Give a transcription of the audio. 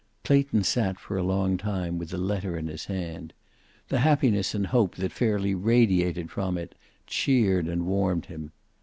Clayton sat for a long time with the letter in his hand. The happiness and hope that fairly radiated from it cheered and warmed him.